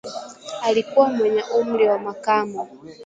Alikuwa mwenye umri ya makamo